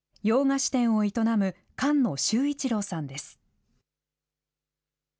洋菓子店を営む菅野秀一郎さんです。